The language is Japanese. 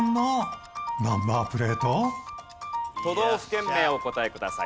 都道府県名をお答えください。